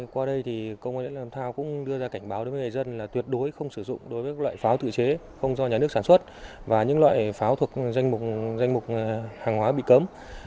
qua đây thì công an làm thao cũng đưa ra cảnh báo đối với người dân là tuyệt đối không sử dụng đối với loại pháo tự chế không do nhà nước sản xuất và những loại pháo thuộc danh mục hàng hóa bị cấm